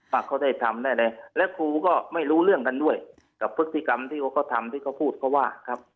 ว่าเขาได้ทำได้อะไรและครูก็ไม่รู้เรื่องกันด้วยกับพฤติกรรมที่เขาทำที่เขาพูดก็ว่าครับ